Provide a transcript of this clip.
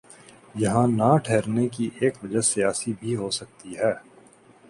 یہاں نہ ٹھہرنے کی ایک وجہ سیاسی بھی ہو سکتی ہے۔